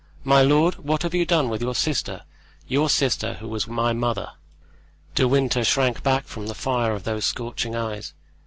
My lord, what have you done with your sister—your sister, who was my mother?" De Winter shrank back from the fire of those scorching eyes.